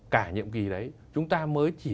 cả nhiệm kỳ đấy chúng ta mới